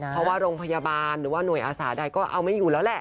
เพราะว่าโรงพยาบาลหรือว่าหน่วยอาสาใดก็เอาไม่อยู่แล้วแหละ